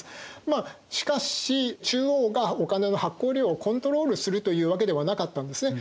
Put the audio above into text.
まあしかし中央がお金の発行量をコントロールするというわけではなかったんですね。